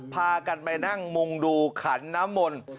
พากันไปนั่งมุงดูขันน้ำมนต์